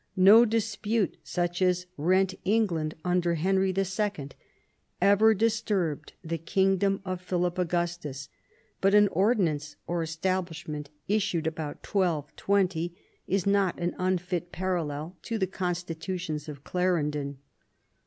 No dispute such as rent England under Henry II. ever disturbed the kingdom of Philip Augustus, but an Ordinance or Establishment, issued about 1220, is not an unfit parallel to the Constitutions of Clarendon.